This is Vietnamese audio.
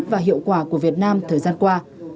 và hiệu quả của việt nam thời gian qua